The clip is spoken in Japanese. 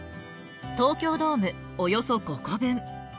東京ドームおよそ５個分。